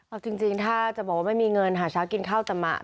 เอาจริงถ้าจะบอกว่าไม่มีเงินหาเช้ากินข้าวจะมา